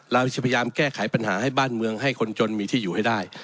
เราจะพยายามแก้ไขปัญหาให้บ้านเมืองให้คนจนมีที่อยู่ให้ได้